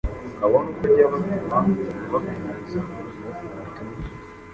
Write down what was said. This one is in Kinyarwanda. ngo abone uko ajya abatuma kubwiriza abantu ubutumwa.”